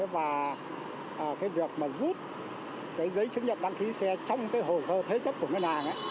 và việc rút giấy chứng nhận đăng ký xe trong hồ sơ thế chấp của ngân hàng